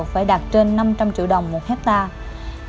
phải đạt trên năm trăm linh triệu đồng một hectare